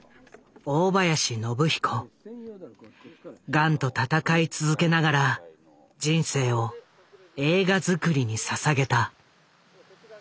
ガンと闘い続けながら人生を映画作りに捧げた。